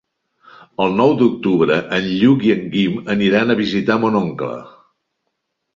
El nou d'octubre en Lluc i en Guim aniran a visitar mon oncle.